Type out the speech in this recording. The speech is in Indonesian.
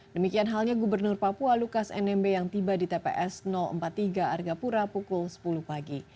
demikian halnya gubernur papua lukas nmb yang tiba di tps empat puluh tiga argapura pukul sepuluh pagi